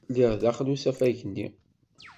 Lliɣ daxel usafag-nni.